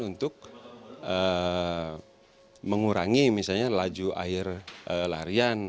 untuk mengurangi misalnya laju air larian